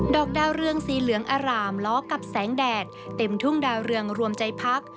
อกดาวเรืองสีเหลืองอร่ามล้อกับแสงแดดเต็มทุ่งดาวเรืองรวมใจพัก